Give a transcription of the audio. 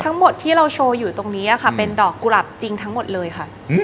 ทั้งหมดที่เราโชว์อยู่ตรงนี้ค่ะเป็นดอกกุหลาบจริงทั้งหมดเลยค่ะ